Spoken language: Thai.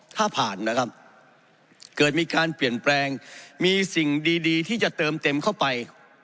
ถ้าผ่านนะครับเกิดมีการเปลี่ยนแปลงมีสิ่งดีที่จะเติมเต็มเข้าไป